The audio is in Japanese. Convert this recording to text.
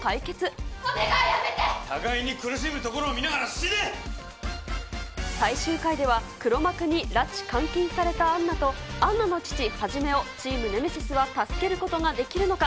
互いに苦しむところを見なが最終回では、黒幕に拉致監禁されたアンナと、アンナの父、はじめをチームネメシスは助けることができるのか。